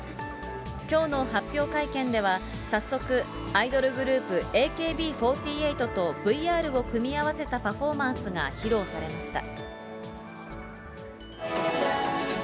きょうの発表会見では、早速、アイドルグループ、ＡＫＢ４８とＶＲを組み合わせたパフォーマンスが披露されました。